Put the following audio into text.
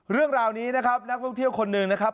เรื่องราวนี้นะครับนักท่องเที่ยวคนหนึ่งนะครับ